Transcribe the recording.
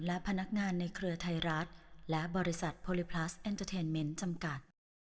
และพนักงานในเครือไทยรัฐและบริษัทโพลิพลัสเอ็นเตอร์เทนเมนต์จำกัด